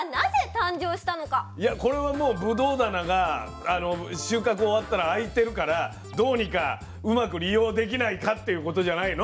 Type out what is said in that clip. これはもうぶどう棚が収穫終わったら空いてるからどうにかうまく利用できないかっていうことじゃないの？